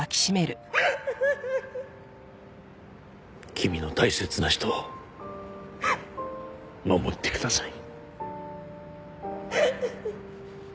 君の大切な人を守ってください。